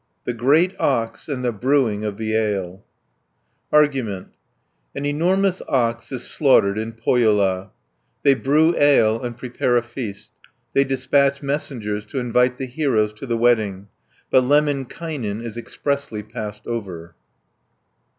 THE GREAT OX, AND THE BREWING OF THE ALE Argument An enormous ox is slaughtered in Pohjola (1 118). They brew ale and prepare a feast (119 516). They dispatch messengers to invite the heroes to the wedding, but Lemminkainen is expressly passed over (517 614).